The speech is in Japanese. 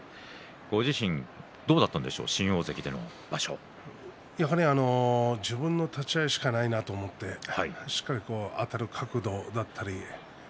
ご自身どうだったんでしょうかやはり自分の立ち合いしかないなと思ってしっかりあたる角度だったり